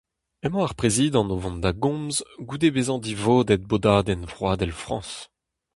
Emañ ar prezidant o vont da gomz goude bezañ divodet bodadenn vroadel Frañs.